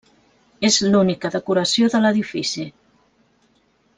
És l'única decoració de l'edifici.